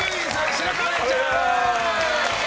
白河れいちゃん！